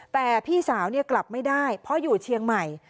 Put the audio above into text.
แต่พี่สาวกลับไม่ได้เพราะอยู่เชียงใหม่